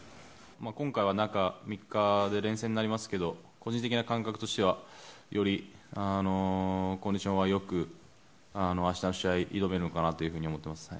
今回は中３日で連戦になりますが個人的な感覚としてはよりコンディションは良く明日の試合に挑めるのかなと思っております。